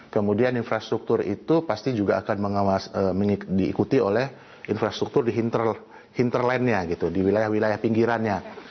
kemudian infrastruktur itu pasti juga akan mengawasi diikuti oleh infrastruktur di hinterland nya gitu di wilayah wilayah pinggirannya